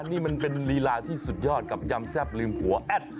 เนี่ยลีลลาที่สุดยอดกับยำแซ่บลืมหัว